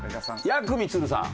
やくみつるさん。